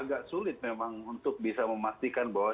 agak sulit memang untuk bisa memastikan bahwa